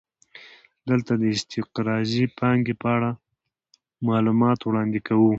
دلته د استقراضي پانګې په اړه معلومات وړاندې کوو